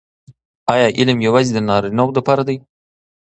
آیا علم یوازې د نارینه وو لپاره دی؟